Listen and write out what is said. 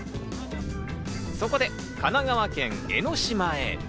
そこで神奈川県江の島へ。